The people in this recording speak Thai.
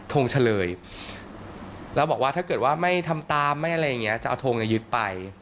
ทรงเฉลยแล้วบอกว่าถ้าเกิดว่าไม่ทำตามจะเอาทรงยึดไป